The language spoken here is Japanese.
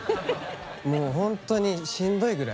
もうほんとにしんどいぐらい。